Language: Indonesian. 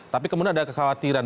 tapi kemudian ada kekhawatiran